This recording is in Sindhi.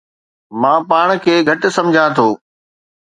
مان پاڻ کي گهٽ سمجهان ٿو